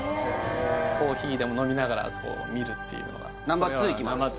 コーヒーでも飲みながら見るっていうのがナンバー２いきます